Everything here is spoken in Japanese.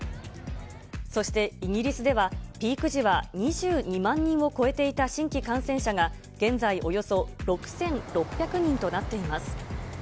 そしてイギリスでは、ピーク時は２２万人を超えていた新規感染者が、現在およそ６６００人となっています。